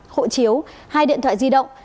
hộ chiếu hai điện thoại di động